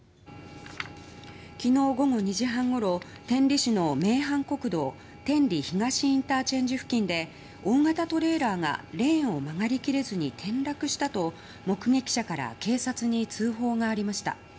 昨日午後２時半ごろ、天理市の名阪国道天理東ＩＣ付近で大型トレーラーが、レーンを曲がり切れずに転落したと目撃者から警察に通報がありました。